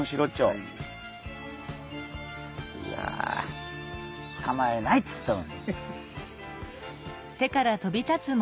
うわ！つかまえないっつったのに。